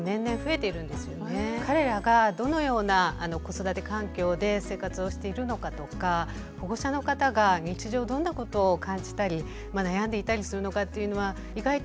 彼らがどのような子育て環境で生活をしているのかとか保護者の方が日常どんなことを感じたり悩んでいたりするのかっていうのは意外と